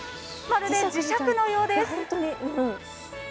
まるで磁石のようです。